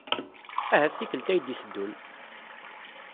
Ahat tikkelt ay d-itteddun!